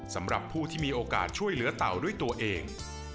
สำหรับผู้ที่มีโอกาสช่วยเหลือเต่าด้วยตัวเอง